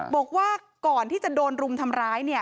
บอกว่าก่อนที่จะโดนหลุมทำไร